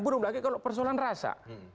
burung lagi kalau persoalan rasa